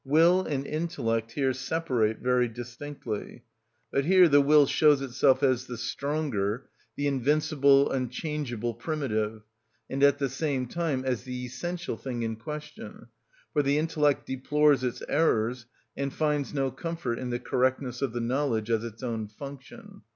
Will and intellect here separate very distinctly. But here the will shows itself as the stronger, the invincible, unchangeable, primitive, and at the same time as the essential thing in question, for the intellect deplores its errors, and finds no comfort in the correctness of the knowledge, as its own function.